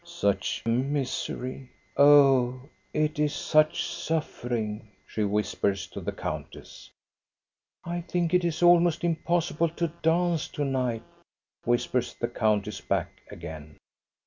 " Such misery ! Oh, it is such suffering !" she whispers to the countess. " I think it is almost impossible to dance to night," whispers the countess back again.